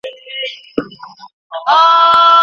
زه له سهاره ډوډۍ پخوم.